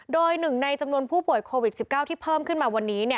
โดยหนึ่งในจำนวนผู้ป่วยโควิด๑๙ที่เพิ่มขึ้นมาวันนี้